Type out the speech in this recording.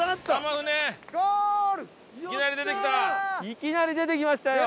いきなり出てきましたよ。